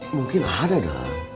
mungkin ada dah